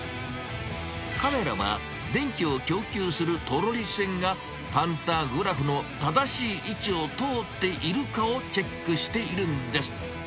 カメラは電気を供給するトロリ線が、パンタグラフの正しい位置を通っているかをチェックしているんです。